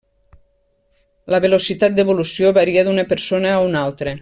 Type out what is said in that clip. La velocitat d'evolució varia d'una persona a una altra.